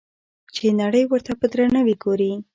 چې نړۍ ورته په درناوي ګوري.